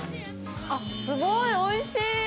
あっ、すごい、おいしい。